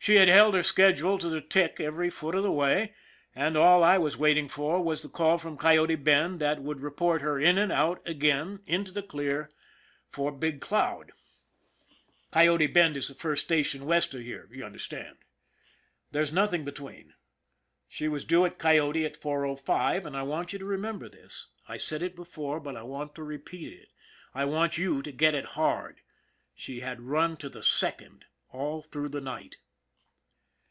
She had held her schedule to the tick every foot of the way, and all I was waiting for was the call from Coyote Bend that would report her in and out again into the clear for 62 ON THE IRON AT BIG CLOUD Big Cloud. Coyote Bend is the first station west of here, you understand? There's nothing between. She was due at Coyote at 4.05, and I want you to remember this I said it before, but I want to repeat it. I want you to get it hard she had run to the second all through the night.